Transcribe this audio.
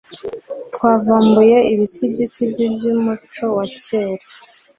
Twavumbuye ibisigisigi byumuco wa kera.